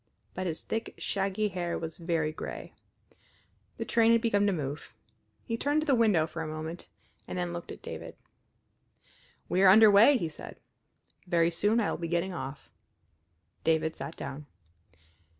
But his thick, shaggy hair was very gray. The train had begun to move. He turned to the window for a moment, and then looked at David. "We are under way," he said. "Very soon I will be getting off." David sat down.